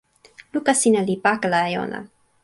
luka sina li pakala e ona.